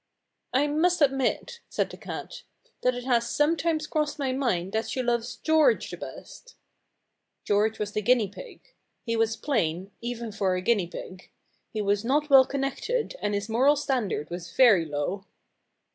"I must admit," said the cat, "that it has sometimes crossed my mind that she loves George the best." George was the guinea pig. He was plain, even for a guinea pig. He was not well connected, and his moral standard was very low.